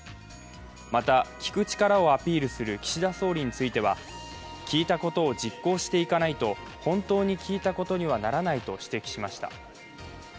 また聞く力をアピールする岸田総理については、聞いたことを実行していかないと本当に聞いたことにはならないと指摘しました。